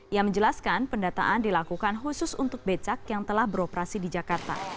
ia menjelaskan pendataan dilakukan khusus untuk becak yang telah beroperasi di jakarta